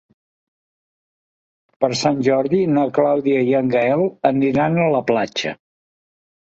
Per Sant Jordi na Clàudia i en Gaël aniran a la platja.